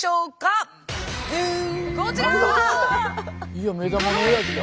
いや目玉のおやじだ。